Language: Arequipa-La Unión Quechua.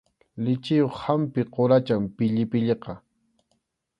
Lichiyuq hampi quracham pillipilliqa.